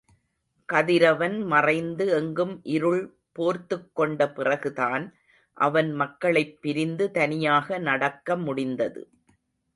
கதிரவன் மறைந்து எங்கும் இருள் போர்த்துக் கொண்ட பிறகுதான் அவன் மக்களைப் பிரிந்து தனியாக நடக்க முடிந்தது.